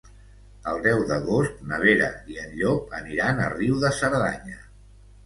El deu d'agost na Vera i en Llop aniran a Riu de Cerdanya.